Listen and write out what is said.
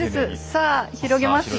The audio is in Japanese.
さあ広げますよ。